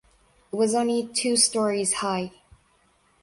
It was only two stories high.